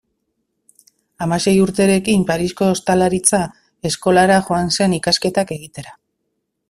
Hamasei urterekin, Parisko Ostalaritza Eskolara joan zen ikasketak egitera.